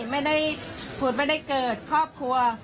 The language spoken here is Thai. ไม่ได้ผุดไม่ได้เกิดครอบครัว